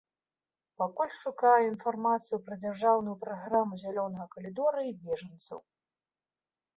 Пакуль шукаю інфармацыю пра дзяржаўную праграму зялёнага калідора і бежанцаў.